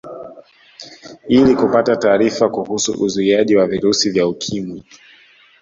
Ili kupata taarifa kuhusu uzuiaji wa virusi vya Ukimwi